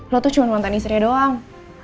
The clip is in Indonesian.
lo tuh cuma mantan istrinya doang